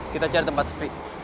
kita cari tempat spri